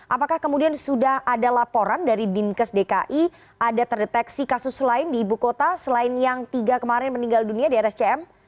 apakah kemudian sudah ada laporan dari dinkes dki ada terdeteksi kasus lain di ibu kota selain yang tiga kemarin meninggal dunia di rscm